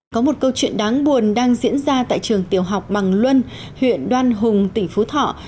có một câu chuyện đáng buồn đang diễn ra tại trường tiểu học bằng luân huyện đoan hùng tỉnh phú thọ